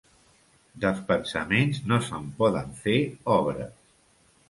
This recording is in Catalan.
Dels pensaments no se'n poden fer obres.